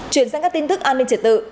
chuyển sang các tin tức an ninh triển tự